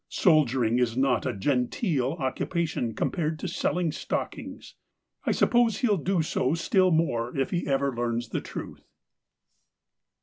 Soldiering is not a genteel occupation com pared to selling stockings. I suppose he'll do so still more if he ever learns the truth.